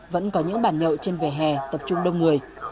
vẫn có những bản nhậu trên vẻ hè tập trung đông người